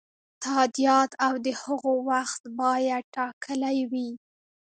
تادیات او د هغو وخت باید ټاکلی وي.